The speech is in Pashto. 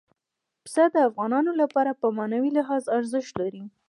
پسه د افغانانو لپاره په معنوي لحاظ ارزښت لري.